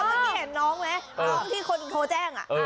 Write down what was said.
เมื่อกี้เห็นน้องไหมน้องที่คนโทรแจ้ง